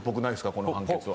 この判決は。